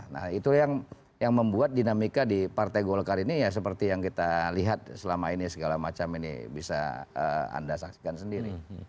nah itu yang membuat dinamika di partai golkar ini ya seperti yang kita lihat selama ini segala macam ini bisa anda saksikan sendiri